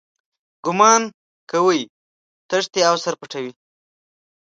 ګومان کوي تښتي او سر پټوي.